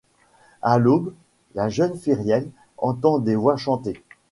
À l'aube, la jeune Fíriel entend des voix chanter.